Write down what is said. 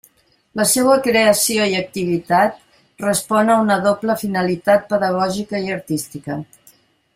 La seua creació i activitat respon a una doble finalitat pedagògica i artística.